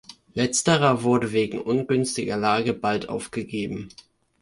Letzterer wurde wegen ungünstiger Lage bald aufgegeben.